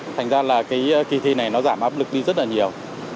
thành ra là cái kỳ thi này nó giảm áp lực đi rất là nhiều